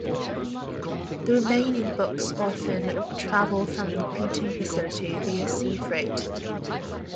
The remaining books often travel from the printing facility via sea freight.